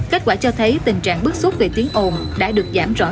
kết quả cho thấy tình trạng bất xúc về tiếng ồn đã được giảm dài